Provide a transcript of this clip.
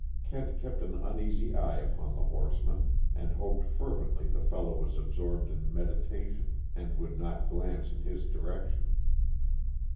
Kent kept an uneasy eye upon the horseman, and hoped fervently the fellow was absorbed in meditation and, would not glance in his direction.